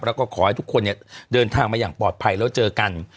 แล้วก็ขอให้ทุกคนเนี่ยเดินทางมาอย่างปลอดภัยแล้วเจอกัน